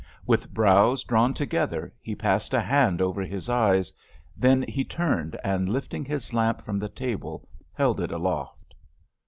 With brows drawn together, he passed a hand over his eyes, then he turned, and, lifting his lamp from the table, held it aloft.